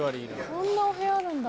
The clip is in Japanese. こんなお部屋あるんだ。